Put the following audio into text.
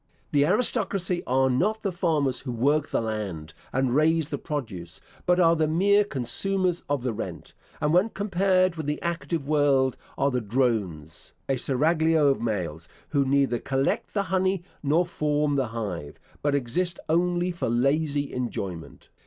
The aristocracy are not the farmers who work the land, and raise the produce, but are the mere consumers of the rent; and when compared with the active world are the drones, a seraglio of males, who neither collect the honey nor form the hive, but exist only for lazy enjoyment.